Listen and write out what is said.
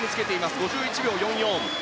５１秒４４。